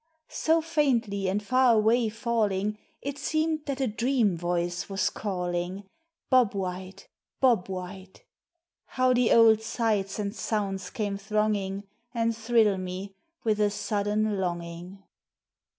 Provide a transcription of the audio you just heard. So faintly and far away falling It seemed that a dream voice was calling "Bob White! Bob White!" How the old sights and sounds come thronging And thrill me with a sudden longing!